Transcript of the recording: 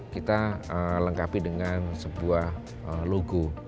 kita lengkapi dengan sebuah logo